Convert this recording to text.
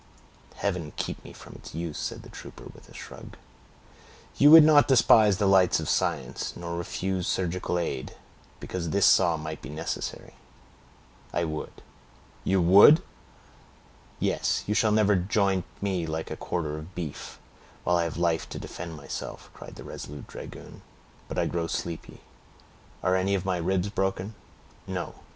"Heaven keep me from its use," said the trooper, with a shrug. "You would not despise the lights of science, nor refuse surgical aid, because this saw might be necessary?" "I would." "You would!" "Yes; you shall never joint me like a quarter of beef, while I have life to defend myself," cried the resolute dragoon. "But I grow sleepy; are any of my ribs broken?" "No."